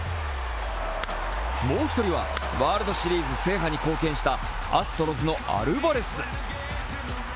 もう一人は、ワールドシリーズ制覇に貢献したアストロズのアルバレス。